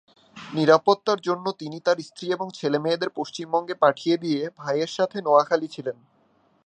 নিরাপত্তার জন্য তিনি তার স্ত্রী এবং ছেলেমেয়েদের পশ্চিমবঙ্গে পাঠিয়ে দিয়ে ভাইয়ের সাথে নোয়াখালী ছিলেন।